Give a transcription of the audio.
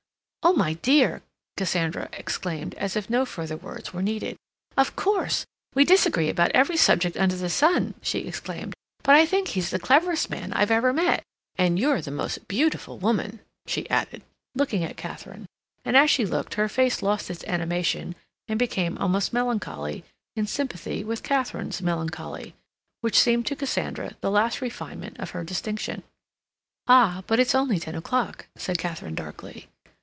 "Oh, my dear!" Cassandra exclaimed, as if no further words were needed. "Of course, we disagree about every subject under the sun," she exclaimed, "but I think he's the cleverest man I've ever met—and you're the most beautiful woman," she added, looking at Katharine, and as she looked her face lost its animation and became almost melancholy in sympathy with Katharine's melancholy, which seemed to Cassandra the last refinement of her distinction. "Ah, but it's only ten o'clock," said Katharine darkly.